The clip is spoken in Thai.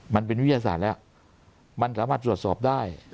มันเป็นวิทยาศาสตร์แล้วมันสามารถตรวจสอบได้